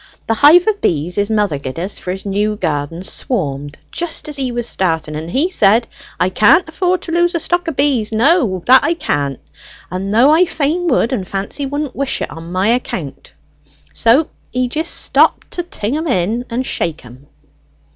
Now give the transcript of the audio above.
The hive o' bees his mother gie'd en for his new garden swarmed jist as he was starting, and he said, 'I can't afford to lose a stock o' bees; no, that I can't, though I fain would; and Fancy wouldn't wish it on any account.' So he jist stopped to ting to 'em and shake 'em."